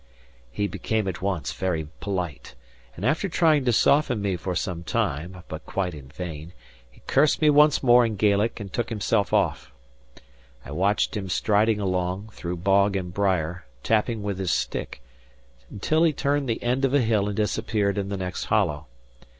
He became at once very polite, and after trying to soften me for some time, but quite in vain, he cursed me once more in Gaelic and took himself off. I watched him striding along, through bog and brier, tapping with his stick, until he turned the end of a hill and disappeared in the next hollow.